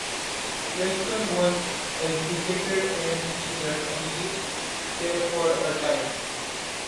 Weston was educated in England and lived there for a time.